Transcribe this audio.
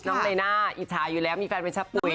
น้องเลน่าอิจฉาอยู่แล้วมีแฟนไว้ชับปุ่ย